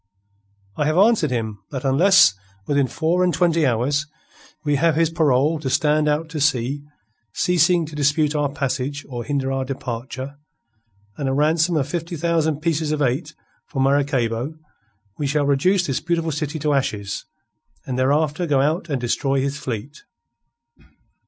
"I have answered him that unless within four and twenty hours we have his parole to stand out to sea, ceasing to dispute our passage or hinder our departure, and a ransom of fifty thousand pieces of eight for Maracaybo, we shall reduce this beautiful city to ashes, and thereafter go out and destroy his fleet."